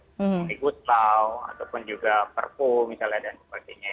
seperti gustaw ataupun juga perpu misalnya dan sebagainya